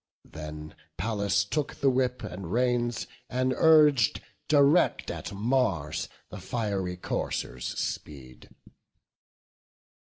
Then Pallas took the whip and reins, and urg'd Direct at Mars the fiery coursers' speed.